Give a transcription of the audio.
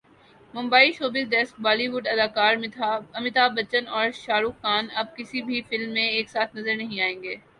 Mumbai showbiz desk Bollywood اداکار امیتابھ بچن اور شاہ رخ خان اب کسی بھی فلم میں ایک ساتھ نظر نہیں آئیں گے